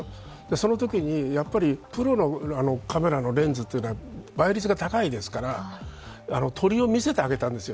そのときにプロのカメラのレンズというのは倍率が高いですから鳥を見せてあげたんですよ。